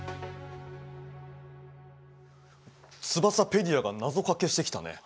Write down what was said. ツバサペディアが謎かけしてきたね。